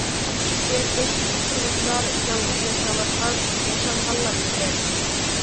زىيانكەشلىككە ئۇچرىغۇچىلار يالغۇز ياشاۋاتقان ياشانغانلار ئىكەن.